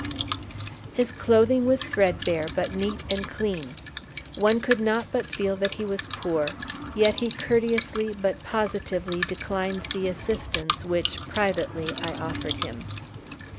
His clothing was threadbare, but neat and clean. One could not but feel that he was poor, yet he courteously but positively declined the assistance which, privately, I offered him.